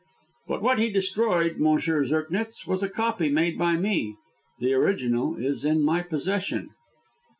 But what he destroyed, M. Zirknitz, was a copy made by me; the original is in my possession."